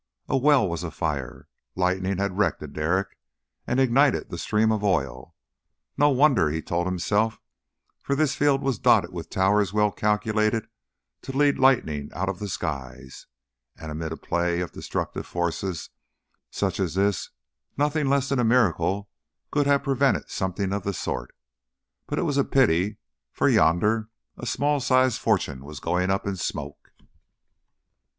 A well was afire! Lightning had wrecked a derrick and ignited the stream of oil. No wonder, he told himself, for this field was dotted with towers well calculated to lead lightning out of the skies, and amid a play of destructive forces such as this nothing less than a miracle could have prevented something of the sort. But it was a pity, for yonder a small sized fortune was going up in smoke.